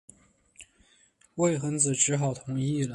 魏桓子只好同意了。